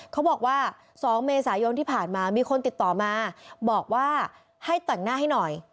เขาบอกว่า๒เมษายนที่ผ่านมามีคนติดต่อมาบอกว่าให้แต่งหน้าให้หน่อย